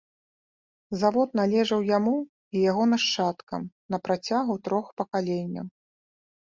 Завод належаў яму і яго нашчадкам на працягу трох пакаленняў.